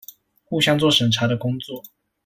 互相做審查的工作